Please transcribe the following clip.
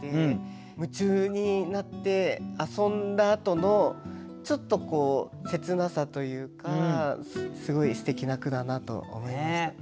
夢中になって遊んだあとのちょっとこう切なさというかすごいすてきな句だなと思いました。